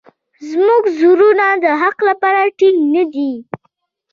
زموږ زړونه د حق لپاره ټینګ نه دي.